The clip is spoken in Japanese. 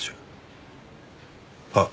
あっ！